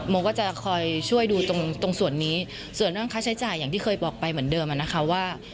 มองก็จะคอยช่วยดูตรงส่วนนี้ส่วนข้าวใช้จ่ายอย่างที่เคยบอกไปเหมือนเดิมนะคะว่า